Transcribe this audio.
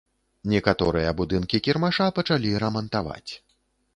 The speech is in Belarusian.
Некаторыя будынкі кірмаша пачалі рамантаваць.